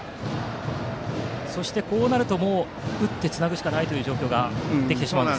そしてこうなるともう打ってつなぐしかないという状況になってしまいます。